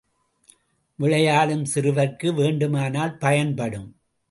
விளையாடும் சிறுவர்க்கு வேண்டுமானால் பயன்படும்!